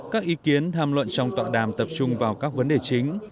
các ý kiến tham luận trong tọa đàm tập trung vào các vấn đề chính